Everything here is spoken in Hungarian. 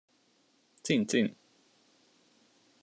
Cin, cin!